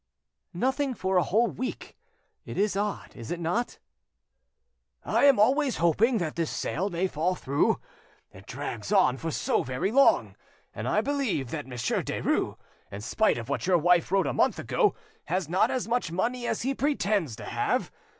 "Nothing for a whole week: it is odd, is it not?" "I am always hoping that this sale may fall through; it drags on for so very long; and I believe that Monsieur Derues, in spite of what your wife wrote a month ago, has not as much money as he pretends to have.